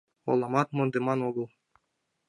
Оламат мондыман огыл.